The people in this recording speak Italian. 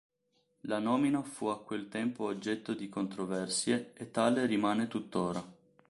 La nomina fu a quel tempo oggetto di controversie, e tale rimane tuttora.